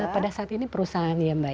pada saat ini perusahaan ya mbak